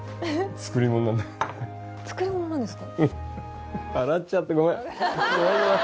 作り物なんですか？